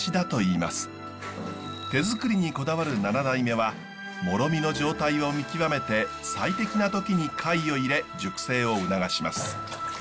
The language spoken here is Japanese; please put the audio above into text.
手づくりにこだわる７代目はもろみの状態を見極めて最適な時にかいを入れ熟成を促します。